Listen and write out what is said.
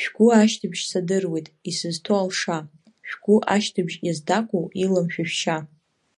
Шәгәы ашьҭыбжь садыруеит, исызҭо алша, шәгәы ашьҭыбжь иаздагәоу илам шәа шәшьа…